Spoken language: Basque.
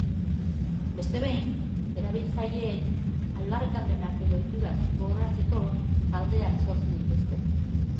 Beste behin, erabiltzaileek aldarrikapenak edo ohiturak gogoratzeko taldeak sortzen dituzte.